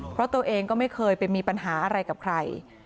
เพราะตัวเองก็ไม่เคยไปมีปัญหาอะไรกับใคร